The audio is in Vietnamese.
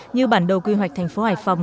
như bản đồ quy hoạch thành phố hải phòng